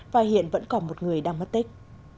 và hiện vẫn còn một người đang mất tích